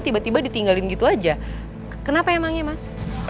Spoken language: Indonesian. tiba tiba ditinggalin gitu aja kenapa emangnya mas